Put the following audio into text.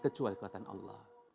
kecuali kekuatan allah